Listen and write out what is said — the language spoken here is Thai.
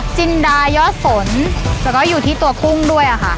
จินดายอดฝนแล้วก็อยู่ที่ตัวกุ้งด้วยค่ะ